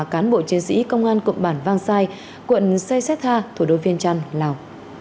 cán bộ chiến sĩ công an cộng bản vang sai quận xe xe tha thủ đô viên trăn lào